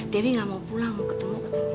dewi nggak mau pulang mau ketemu katanya